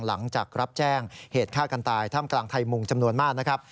หลังจากรับแจ้งเหตุฆ่ากันตายท่ามกลางไทยมุงจำนวนมากนะครับ